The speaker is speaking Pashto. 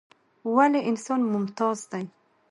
ولې انسان ممتاز دى؟